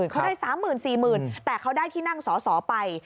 เขาได้๓๔๐๐๐แต่เขาได้ที่นั่งสอสอไป